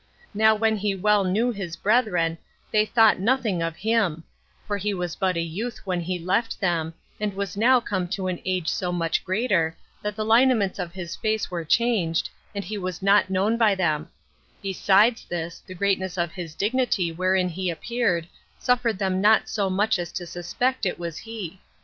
Now when he well knew his brethren, they thought nothing of him; for he was but a youth when he left them, and was now come to an age so much greater, that the lineaments of his face were changed, and he was not known by them: besides this, the greatness of the dignity wherein he appeared, suffered them not so much as to suspect it was he.